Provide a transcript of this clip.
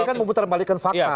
ini kan memutarbalikan fakta